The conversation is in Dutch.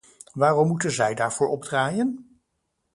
Waarom moeten zij daarvoor opdraaien?